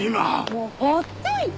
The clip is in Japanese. もうほっといて！